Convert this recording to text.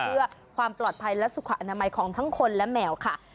เพื่อความปลอดภัยและสุขอนามัยของทั้งคนและแมวค่ะ